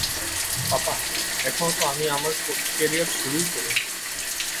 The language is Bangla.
পাপা, এখনো তো আমি আমার কেরিয়ার শুরুই করিনি।